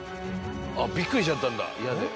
びっくりしちゃったんだ嫌で。